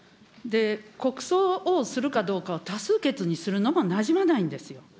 国葬をするかどうかを多数決にするのもなじまないんですよ。